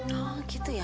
hah gitu ya